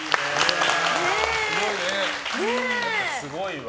すごいわ。